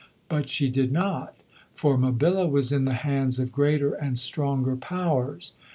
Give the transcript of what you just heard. But she did not, for Mabilla was in the hands of greater and stronger powers.